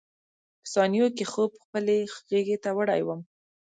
په ثانیو کې خوب خپلې غېږې ته وړی وم.